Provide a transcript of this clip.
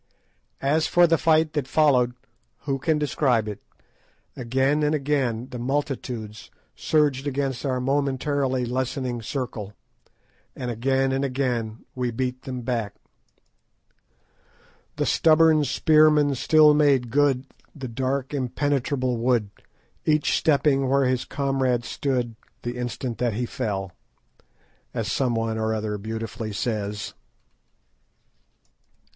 As for the fight that followed, who can describe it? Again and again the multitudes surged against our momentarily lessening circle, and again and again we beat them back. "The stubborn spearmen still made good The dark impenetrable wood, Each stepping where his comrade stood The instant that he fell," as someone or other beautifully says.